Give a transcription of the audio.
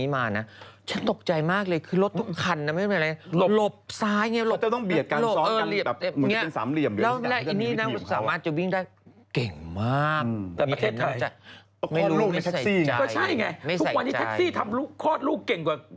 ตำรวจจราจรทุกวันนี้จะต้องไปฟึกคลอดลูก